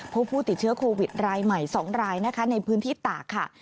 พบผู้ติดเชื้อโควิดรายใหม่๒รายนะคะในพื้นที่ตากค่ะ